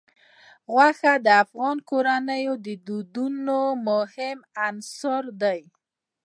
غوښې د افغان کورنیو د دودونو مهم عنصر دی.